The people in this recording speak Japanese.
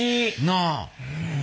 なあ。